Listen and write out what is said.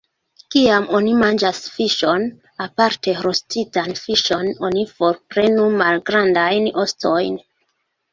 Kiam oni manĝas fiŝon, aparte rostitan fiŝon, oni forprenu malgrandajn ostojn.